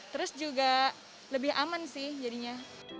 terus juga lebih aman sih jadinya